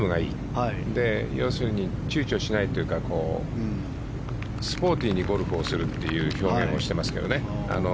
それで、要するに躊躇しないというかスポーティーにゴルフをするという表現をしてますけどね